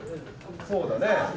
そうだね。